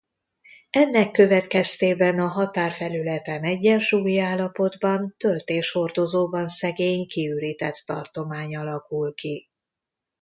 Ennek következtében a határfelületen egyensúlyi állapotban töltéshordozóban szegény kiürített tartomány alakul ki.